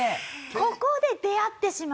ここで出会ってしまうと。